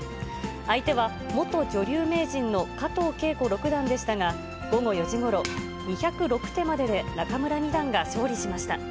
相手は元女流名人の加藤啓子六段でしたが、午後４時ごろ、２０６手までで仲邑二段が勝利しました。